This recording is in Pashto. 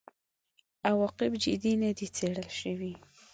عواقب جدي نه دي څېړل شوي.